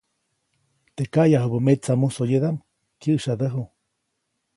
Teʼ kaʼyajubä metsa musoyedaʼm, kyäʼsyadäju.